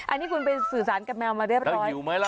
อันนี้คุณไปสื่อสารกับแมวมาด้วยหรือตอนแล้วหิวไหมล่ะ